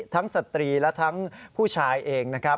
ทั้งสตรีและทั้งผู้ชายเอง